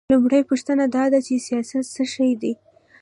لومړۍ پوښتنه دا ده چې سیاست څه شی دی؟